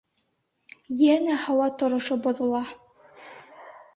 Йәнә һауа торошо боҙола.